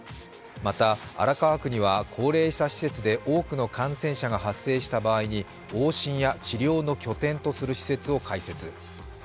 また、荒川区には高齢者施設で多くの感染者が発生した場合に往診や治療の拠点とする施設を開設。